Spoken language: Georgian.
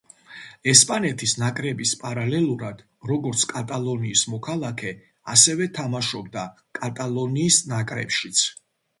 ესპანეთის ნაკრების პარალელურად, როგორც კატალონიის მოქალაქე, ასევე თამაშობდა კატალონიის ნაკრებშიც.